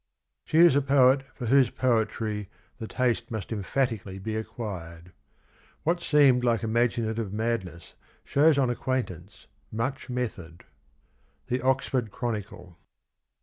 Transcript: " She is a poet for whose poetry the taste must emphatic ally be acquired. What seemed like imaginative madness shows on acquaintance much method." — The Oxford Chronicle.